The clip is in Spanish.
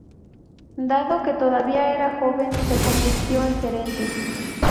Dado que todavía era joven, se convirtió en regente.